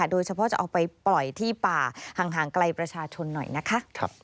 โดยเฉพาะจะเอาไปปล่อยที่ป่าห่างไกลประชาชนหน่อยนะคะ